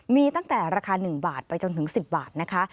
มีตั้งแต่ราคา๑บาทไปจนถึง๑๐บาทนะคะ